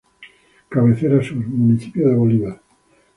Cabecera Sur: Municipio de Bolívar.